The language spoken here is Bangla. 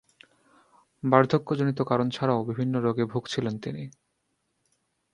বার্ধক্যজনিত কারণ ছাড়াও বিভিন্ন রোগে ভুগছিলেন তিনি।